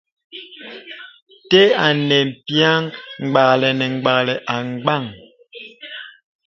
Tə̀ ànɛn m̀pyɛ̄t gbə̀gbə̀lə̀ àgbāŋ.